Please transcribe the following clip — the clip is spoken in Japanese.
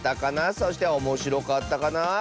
そしておもしろかったかな？